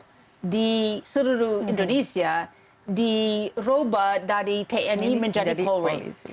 obyek vital di seluruh indonesia diubah dari tni menjadi polisi